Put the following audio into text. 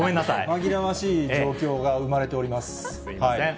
紛らわしい状況が生まれておすみません。